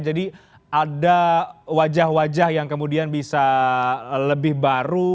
jadi ada wajah wajah yang kemudian bisa lebih baru